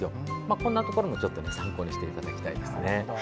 こんなところも参考にしていただきたいですね。